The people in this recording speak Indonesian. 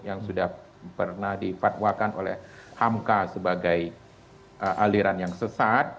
yang sudah pernah difatwakan oleh hamka sebagai aliran yang sesat